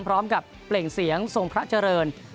พร้อมกับเปล่งเสียงทรงพระเจริญ